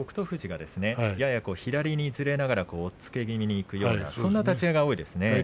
富士がやや左にずれながら押っつけ気味にいくような立ち合いが多いですね。